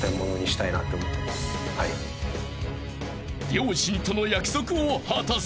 ［両親との約束を果たす］